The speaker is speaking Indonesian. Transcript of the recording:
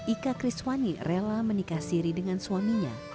ika kriswani rela menikah siri dengan suaminya